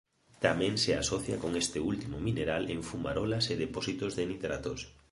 Tamén se asocia con este último mineral en fumarolas e depósitos de nitratos.